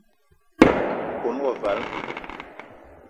Me kon wo vala